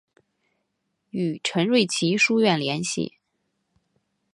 与陈瑞祺书院联系。